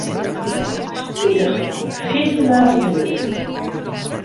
Spitich dat ik mar fjirtjin dagen bliuwe koe.